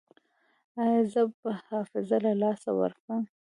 ایا زه به حافظه له لاسه ورکړم؟